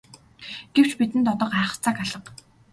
Гэвч бидэнд одоо гайхах цаг алга.